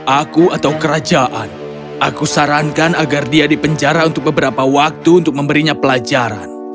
aku atau kerajaan aku sarankan agar dia dipenjara untuk beberapa waktu untuk memberinya pelajaran